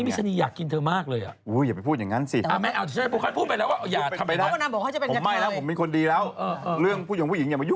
ไม่นุ่มยิ่งแก่ยิ่งหล่อ